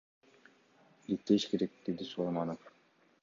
Иликтеш керек, — деди Сулайманов.